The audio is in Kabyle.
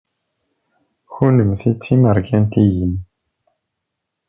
Kennemti d timarikaniyin.